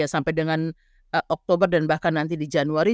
sampai dengan oktober dan bahkan nanti di januari